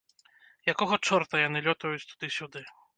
Якога чорта яны лётаюць туды-сюды?